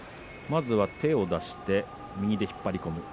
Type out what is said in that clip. まずは手を出して右で引っ張り込む。